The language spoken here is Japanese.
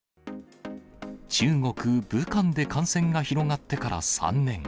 中国・武漢で感染が広がってから３年。